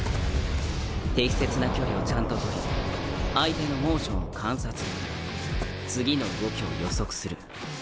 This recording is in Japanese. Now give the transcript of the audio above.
適切な距離をちゃんと取り相手のモーションを観察次の動きを予測する。